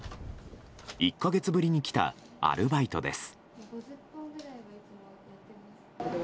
１か月ぶりに来たアルバイトです。